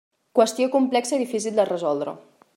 Qüestió complexa i difícil de resoldre.